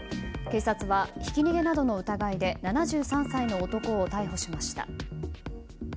警察はひき逃げなどの疑いで７３歳の男を逮捕しました。